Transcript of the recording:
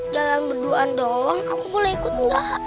jalan berduaan doang aku boleh ikut gak